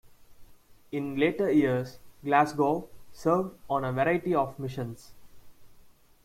In later years, "Glasgow" served on a variety of missions.